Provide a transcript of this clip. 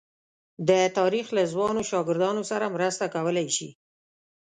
د تاریخ له ځوانو شاګردانو سره مرسته کولای شي.